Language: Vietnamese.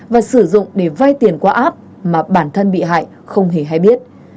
và sử dụng để vai tiền qua app mà bản thân bị hại không hề hay biết